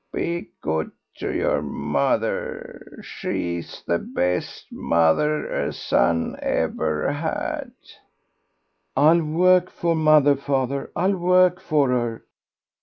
Be good to your mother she's the best mother a son ever had." "I'll work for mother, father, I'll work for her."